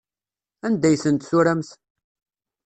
Anda ay tent-turamt?